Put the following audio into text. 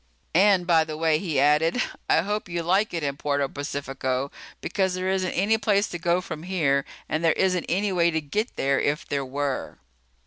"And, by the way," he added, "I hope you like it in Puerto Pacifico. Because there isn't any place to go from here and there isn't any way to get there if there were."